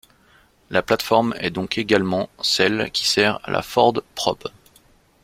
La plate-forme est donc également celle qui sert à la Ford Probe.